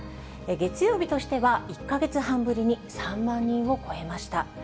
月曜日としては１か月半ぶりに３万人を超えました。